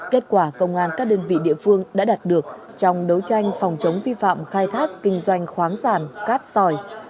kết quả công an các đơn vị địa phương đã đạt được trong đấu tranh phòng chống vi phạm khai thác kinh doanh khoáng sản cát sỏi